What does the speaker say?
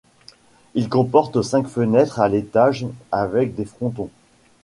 Il comporte cinq fenêtres à l'étage avec des frontons.